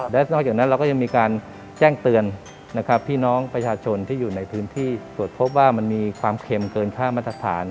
และนอกจากนั้นเราก็ยังมีการแจ้งเตือนนะครับพี่น้องประชาชนที่อยู่ในพื้นที่ตรวจพบว่ามันมีความเค็มเกินค่ามาตรฐาน